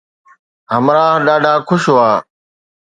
همراهه ڏاڍا خوش هئا